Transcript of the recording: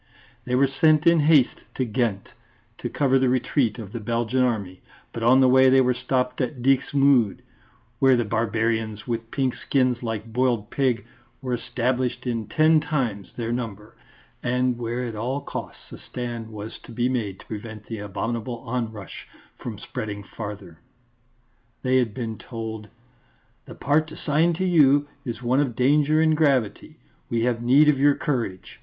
They were sent in haste to Ghent to cover the retreat of the Belgian Army, but on the way they were stopped at Dixmude, where the barbarians with pink skins like boiled pig were established in ten times their number, and where at all costs a stand was to be made to prevent the abominable onrush from spreading farther. They had been told: "The part assigned to you is one of danger and gravity; we have need of your courage.